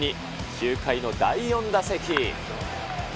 ９回の第４打席。